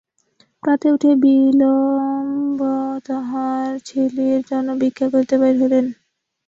প্রাতে উঠিয়া বিল্বন তাঁহার ছেলেদের জন্য ভিক্ষা করিতে বাহির হইতেন।